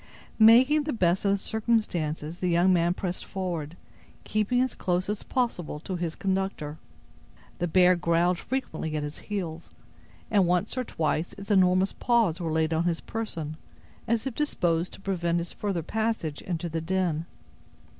Making the best of the circumstances, the young man pressed forward, keeping as close as possible to his conductor. The bear growled frequently at his heels, and once or twice its enormous paws were laid on his person, as if disposed to prevent his further passage into the den.